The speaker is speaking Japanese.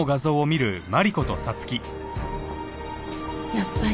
やっぱり。